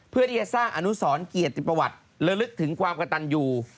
เพื่อที่จะสร้างอนุสรเกียรติประวัติและลึกถึงความกระตันอยู่